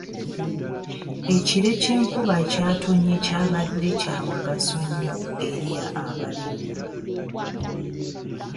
Ekire ky'enkuba ekyatonnye kyabadde kya mugaso nnyo eri abalimi.